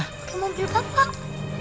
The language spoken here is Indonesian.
pake mobil bapak